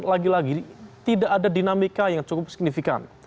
lagi lagi tidak ada dinamika yang cukup signifikan